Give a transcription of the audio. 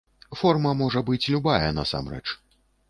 Форма можа быць любая насамрэч.